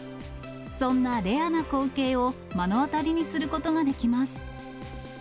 そんなレアな光景を目の当たりにすることができます。